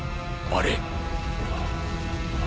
あれ。